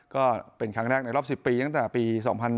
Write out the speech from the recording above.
ก็เป็นครั้งแรกในรอบ๑๐ปีตั้งแต่ปี๒๕๕๙